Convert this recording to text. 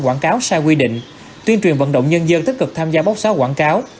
quảng cáo sai quy định tuyên truyền vận động nhân dân tích cực tham gia bóc xóa quảng cáo